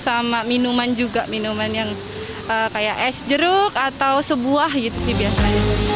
sama minuman juga minuman yang kayak es jeruk atau sebuah gitu sih biasanya